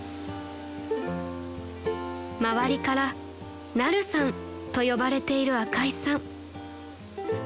［周りからナルさんと呼ばれている赤井さん］